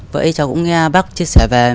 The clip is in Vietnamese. vậy cháu cũng nghe bác chia sẻ về